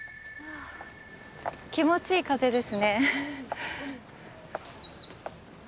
ああ気持ちいい風ですね。